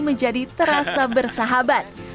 menjadi terasa bersahabat